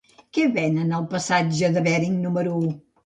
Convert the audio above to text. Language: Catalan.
Què venen al passatge de Bering número u?